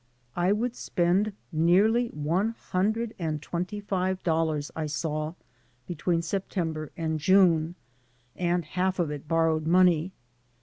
I would spend nearly one himdred and twenty five dollars, I saw, between September and June, and half of it borrowed money.